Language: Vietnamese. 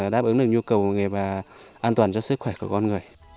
đáp ứng được nhu cầu của người và an toàn cho sức khỏe của con người